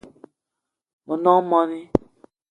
Me nong moni